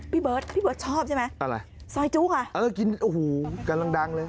พี่เบิร์ดพี่เบิร์ตชอบใช่ไหมอะไรซอยจุค่ะเออกินโอ้โหกำลังดังเลย